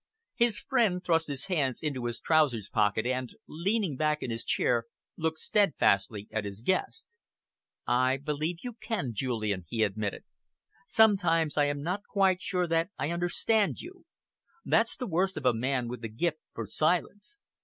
His friend thrust his hands into his trousers pocket and, leaning back in his chair, looked steadfastly at his guest. "I believe you can, Julian," he admitted. "Sometimes I am not quite sure that I understand you. That's the worst of a man with the gift for silence."